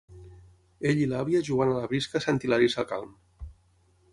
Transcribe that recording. Ell i l'àvia jugant a la brisca a Sant Hilari Sacalm.